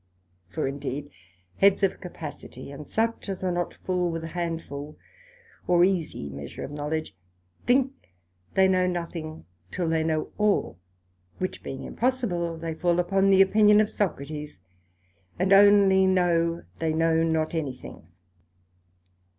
For indeed, heads of capacity, and such as are not full with a handful, or easie measure of knowledge, think they know nothing, till they know all; which being impossible, they fall upon the opinion of Socrates, and only know they know not any thing.